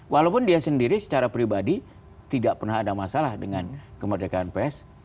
walaupun dia sendiri secara pribadi tidak pernah ada masalah dengan kemerdekaan pes